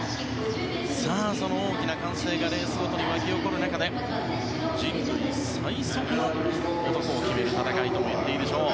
さあ、大きな歓声がレースごとに沸き起こる中で人類最速の男を決める戦いといっていいでしょう。